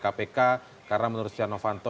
kpk karena menurut stiano fanto